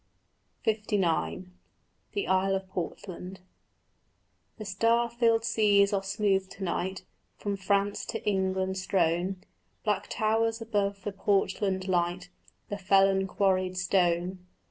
LIX THE ISLE OF PORTLAND The star filled seas are smooth to night From France to England strown; Black towers above the Portland light The felon quarried stone.